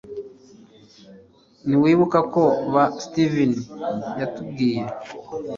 ntiwibuka ko ba steven yatubwiye